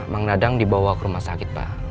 mang dadang dibawa ke rumah sakit pak